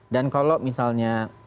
dan kalau misalnya